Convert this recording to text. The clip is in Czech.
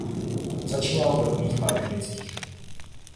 Začínal v rodných Pardubicích.